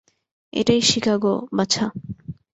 এটাই শিকাগো, বাছা।